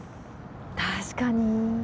確かに。